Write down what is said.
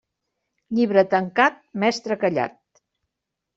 Llibre tancat, mestre callat.